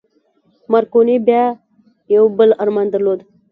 مارکوني بيا يو بل ارمان درلود.